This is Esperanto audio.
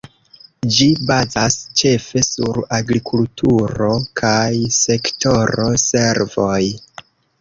Ĝi bazas ĉefe sur agrikulturo kaj sektoro servoj.